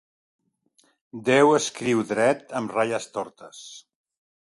Déu escriu dret amb ratlles tortes.